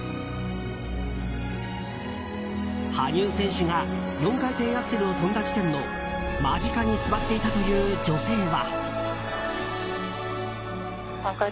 羽生選手が４回転アクセルを跳んだ地点の間近に座っていたという女性は。